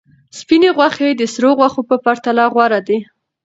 سپینې غوښې د سرو غوښو په پرتله غوره دي.